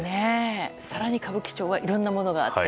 更に歌舞伎町はいろんなものがあって。